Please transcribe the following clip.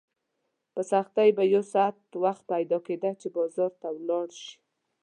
په سختۍ به یو ساعت وخت پیدا کېده چې بازار ته ولاړ شې.